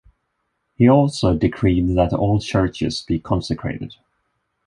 He also decreed that all churches be consecrated.